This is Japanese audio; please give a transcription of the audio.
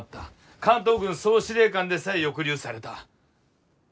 関東軍総司令官でさえ抑留された。